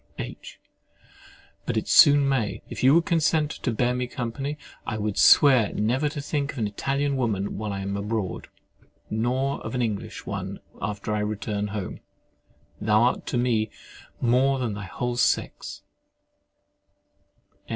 H. But it soon may: and if you would consent to bear me company, I would swear never to think of an Italian woman while I am abroad, nor of an English one after I return home. Thou art to me more than thy whole sex.